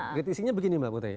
kritisinya begini mbak putri